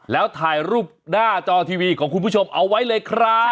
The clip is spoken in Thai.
แล้วถ่ายรูปหน้าจอทีวีของคุณผู้ชมเอาไว้เลยครับ